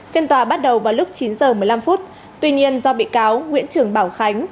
phiên tòa bắt đầu vào lúc chín h một mươi năm phút tuy nhiên do bị cáo nguyễn trường bảo khánh